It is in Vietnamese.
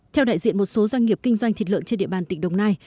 theo đại diện một số doanh nghiệp kinh doanh thịt lợn trên địa bàn tỉnh đồng nai